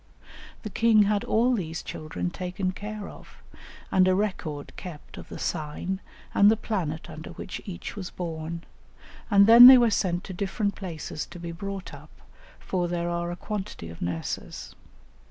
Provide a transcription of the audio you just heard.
The king had all these children taken care of, and a record kept of the sign and the planet under which each was born, and then they were sent to different places to be brought up, for there are a quantity of nurses.